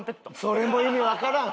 それも意味わからん！